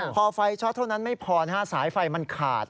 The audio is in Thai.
พอไฟช็อตเท่านั้นไม่พอนะฮะสายไฟมันขาด